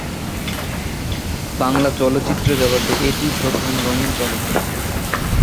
বাংলা চলচ্চিত্র জগতে এটিই প্রথম রঙিন চলচ্চিত্র।